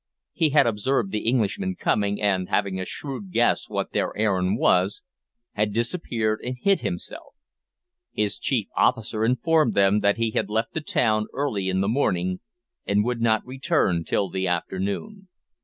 He had observed the Englishmen coming, and, having a shrewd guess what their errand was, had disappeared and hid himself. His chief officer informed them that he had left the town early in the morning, and would not return till the afternoon.